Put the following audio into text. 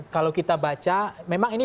kalau kita baca memang ini